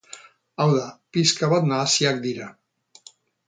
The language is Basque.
Hau da, pixka bat nahasiak dira.